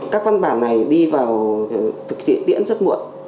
các văn bản này đi vào thực tiễn tiễn rất muộn